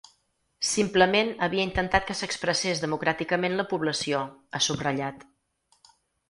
Simplement havia intentat que s’expressés democràticament la població, ha subratllat.